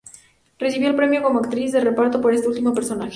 Recibió el premio como actriz de reparto por este último personaje.